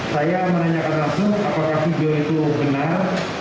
saya menanyakan langsung apakah video itu benar